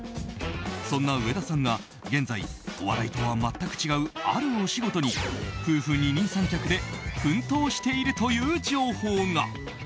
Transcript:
そんな上田さんが現在お笑いとは全く違うあるお仕事に夫婦二人三脚で奮闘しているという情報が。